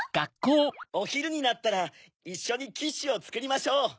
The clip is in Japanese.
・おひるになったらいっしょにキッシュをつくりましょう。